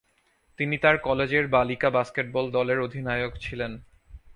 তিনি তার কলেজের বালিকা বাস্কেটবল দলের অধিনায়ক ছিলেন।